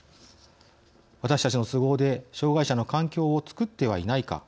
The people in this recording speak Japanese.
私たちの都合で障害者の環境を作ってはいないか。